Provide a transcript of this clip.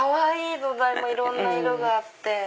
土台もいろんな色があって。